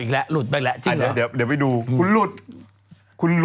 เบิ้ลเบิ้ลเบิ้ล